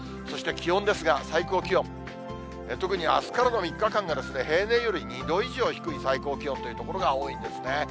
そして気温ですが、最高気温、特にあすからの３日間が、平年より２度以上低い最高気温という所が多いんですね。